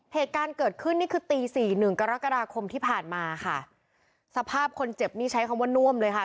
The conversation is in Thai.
เหตุการณ์เกิดขึ้นนี่คือตีสี่หนึ่งกรกฎาคมที่ผ่านมาค่ะสภาพคนเจ็บนี่ใช้คำว่าน่วมเลยค่ะ